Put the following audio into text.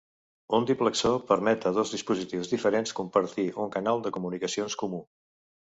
Un diplexor permet a dos dispositius diferents compartir un canal de comunicacions comú.